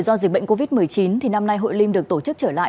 do dịch bệnh covid một mươi chín thì năm nay hội liêm được tổ chức trở lại